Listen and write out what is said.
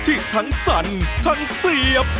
ที่ทั้งสั่นทั้งเสียบ